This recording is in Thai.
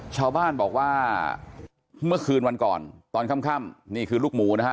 ชาวบ้านบอกว่าเมื่อคืนวันก่อนตอนค่ำนี่คือลูกหมูนะฮะ